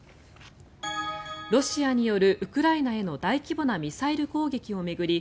ロシアによるウクライナへの大規模なミサイル攻撃を巡り